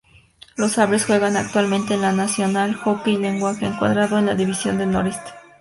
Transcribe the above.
Los Sabres juegan actualmente en la National Hockey League, encuadrado en la División Noreste.